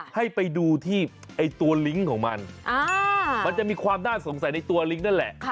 ให้ไปดูที่ตัวลิงก์ของมันมันจะมีความน่าสงสัยในตัวลิงก์นั่นแหละ